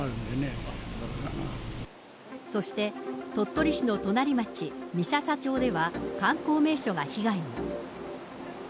そして鳥取市の隣町、三朝町では、観光名所が被害に。